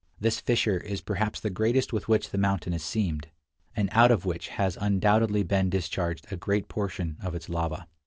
This fissure is perhaps the greatest with which the mountain is seamed, and out of which has undoubtedly been discharged a great portion of its lava.